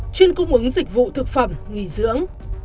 chuyên cung ứng dịch vụ thực phẩm nghỉ dưỡng